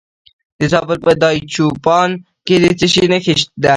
د زابل په دایچوپان کې د څه شي نښې دي؟